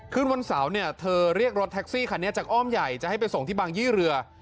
คืนวันเสาร์เนี่ยเธอเรียกรถแท็กซี่คันนี้จากอ้อมใหญ่จะให้ไปส่งที่บางยี่เรือ